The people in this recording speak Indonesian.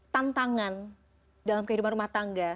tantangan dalam kehidupan rumah tangga